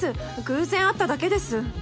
偶然会っただけです。